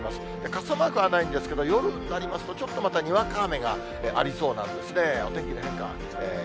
傘マークはないんですけど、夜になると、ちょっとまた、にわか雨がありそうなんですね。